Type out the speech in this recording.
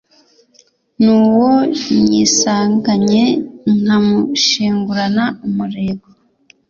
N'uwo nyisanganye nkamushengurana umurego,